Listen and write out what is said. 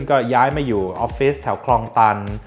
ก็ย้ายมาอยู่ออฟฟิศแถวคลองตัน